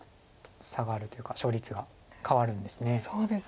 下がるというか勝率が変わるんですね。